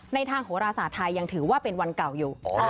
ทางโหรศาสตร์ไทยยังถือว่าเป็นวันเก่าอยู่